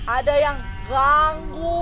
ada yang ganggu